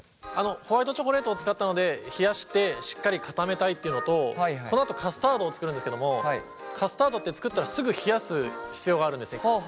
ホワイトチョコレートを使ったので冷やしてしっかり固めたいっていうのとこのあとカスタードを作るんですけどもカスタードって作ったらすぐ冷やす必要があるんですね。